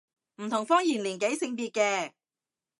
唔同方言年紀性別嘅